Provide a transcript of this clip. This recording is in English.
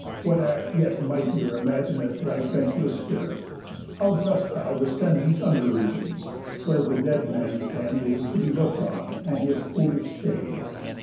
What act yet mightier imagineth Thy vent'rous spirit? How dost thou descend These under regions, where the dead man's end Is to be look'd on, and his foolish shade?